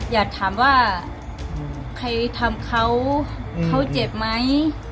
อยากถามว่าใครทำเขาเขาเจ็บไหม